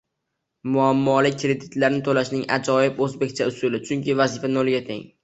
Muammoli kreditlarni to'plashning ajoyib o'zbekcha usuli, chunki vazifa nolga teng